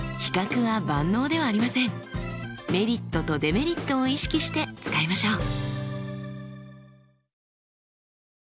メリットとデメリットを意識して使いましょう。